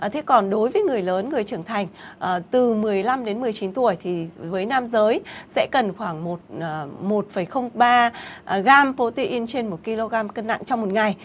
thế còn đối với người lớn người trưởng thành từ một mươi năm đến một mươi chín tuổi thì với nam giới sẽ cần khoảng một ba g pol potin trên một kg cân nặng trong một ngày